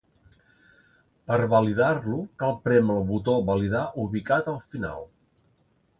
Per validar-lo, cal prémer el botó "validar" ubicat al final.